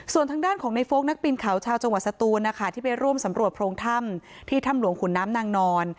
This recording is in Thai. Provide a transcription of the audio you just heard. ส่วนทางด้านของในโฟลกนักบินเขาชาวจังหวัดสตูนนะคะที่ไปร่วมสำรวจโพรงถ้ำที่ถ้ำหลวงขุนน้ำนางนอน